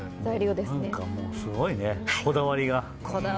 すごいね、こだわりが。